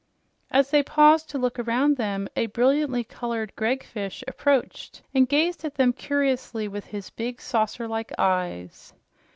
As they approached to look around them, a brilliantly colored gregfish approached and gazed at them curiously with his big, saucer like eyes.